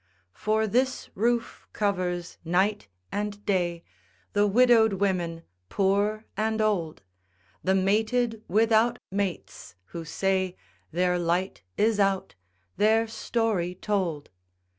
For this roof covers, night and day, The widowed women poor and old, The mated without mates, who say Their light is out, their story told.